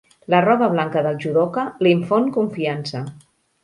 La roba blanca del judoka l'infon confiança.